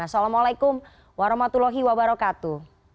assalamualaikum warahmatullahi wabarakatuh